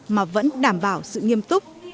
mà vẫn đảm bảo sự nghiêm túc